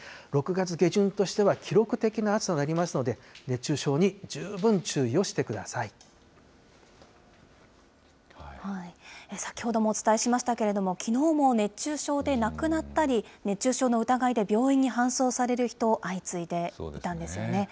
６月下旬としては記録的な暑さになりますので、熱中症に十分注意先ほどもお伝えしましたけれども、きのうも熱中症で亡くなったり、熱中症の疑いで病院に搬送される人、相次いでいたんですよね。